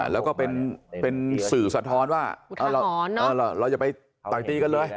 แล้วก็เป็นสื่อสะท้อนว่าเราอย่าไปต่อยตีกันเลย